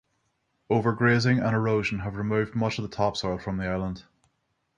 Overgrazing and erosion have removed much of the topsoil from the island.